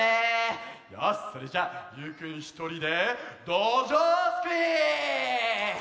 よしそれじゃゆうくんひとりで「どじょうすくい」！